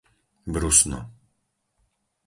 Brusno